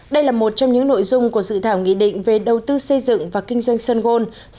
đây là một trong những nội dung của sự thảo nghị định về đầu tư xây dựng và kinh doanh sun gold